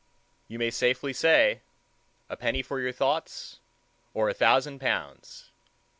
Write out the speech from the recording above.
You may safely say, A penny for your thoughts, or a thousand pounds.